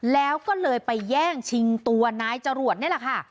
แล้วก็เลยไปแย่งชิงตัวนายจรวดนี่แหละค่ะ